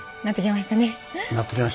なってきましたね。